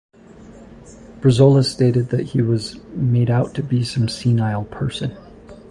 Brizola stated that he was "made out to be some senile person".